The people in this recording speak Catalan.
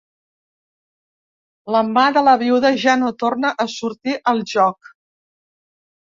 La mà de la viuda ja no torna a sortir al joc.